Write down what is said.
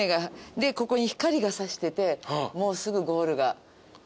でここに光が差しててもうすぐゴールが。